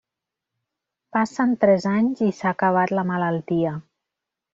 Passen tres anys i s'ha acabat la malaltia.